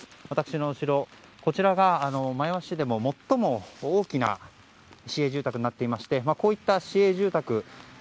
私の後ろ、こちらが前橋市でも最も大きな市営住宅になっていましてこういった市営住宅